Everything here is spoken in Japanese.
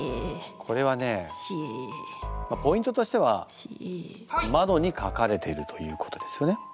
これはねポイントとしては窓に書かれてるということですよね。